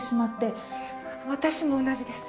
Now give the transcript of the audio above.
私も同じです。